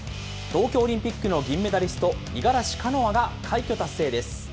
東京オリンピックの銀メダリスト、五十嵐カノアが快挙達成です。